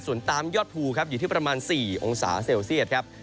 ส่วนตามยอดภูครับอยู่ที่ประมาณ๔องศาเซลเซียตครับ